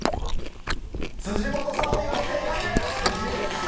辻元さん、お見事、正解です。